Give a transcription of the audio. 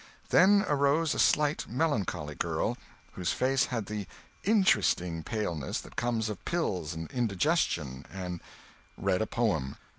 Then arose a slim, melancholy girl, whose face had the "interesting" paleness that comes of pills and indigestion, and read a "poem."